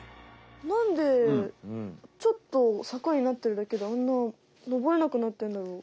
なんでちょっと坂になってるだけであんな登れなくなってるんだろう？